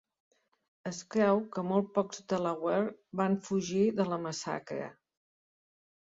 Es creu que molt pocs delaware van fugir de la massacre.